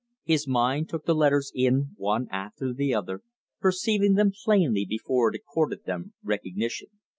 His mind took the letters in one after the other, perceiving them plainly before it accorded them recognition.